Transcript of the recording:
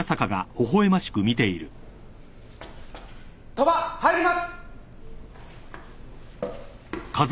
鳥羽入ります。